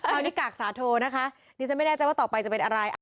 คราวนี้กากสาโทนะคะดิฉันไม่แน่ใจว่าต่อไปจะเป็นอะไร